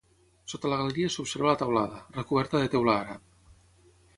Sota la galeria s'observa la teulada, recoberta de teula àrab.